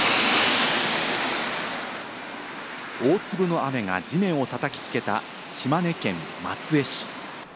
大粒の雨が地面をたたきつけた、島根県松江市。